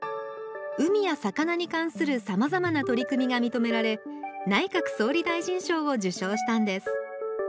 海や魚に関するさまざまな取り組みがみとめられ内閣総理大臣賞を受賞したんです